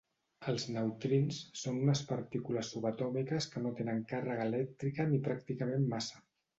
Els neutrins són unes partícules subatòmiques que no tenen càrrega elèctrica ni pràcticament massa.